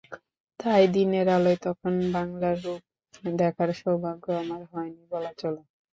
তাই দিনের আলোয় তখন বাংলার রূপ দেখার সৌভাগ্য আমার হয়নি বলা চলে।